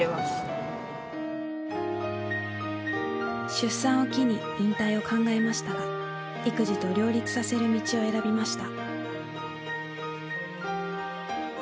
出産を機に引退を考えましたが育児と両立させる道を選びました。